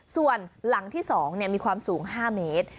ส่วนหลังที่๒มีความสูง๕เมตร